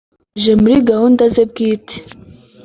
aje muri gahunda ze bwite